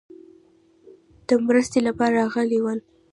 د مرستې لپاره راغلي ول.